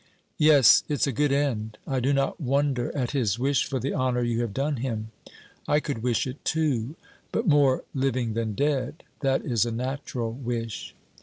'Yes, it's a good end. I do not wonder at his wish for the honour you have done him. I could wish it too. But more living than dead that is a natural wish.'